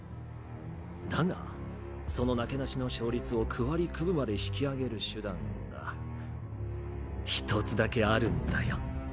だがそのなけなしの勝率を９割９分まで引き上げる手段が１つだけあるんだよ。